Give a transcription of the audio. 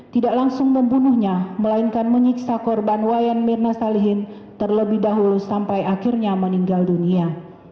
tidak langsung membunuhnya melainkan menyiksa korban wayan mirna salihin terlebih dahulu sampai akhirnya meninggal dunia